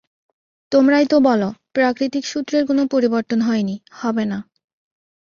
তোমরাই তো বল, প্রাকৃতিক সূত্রের কোনো পরিবর্তন হয় নি, হবে না।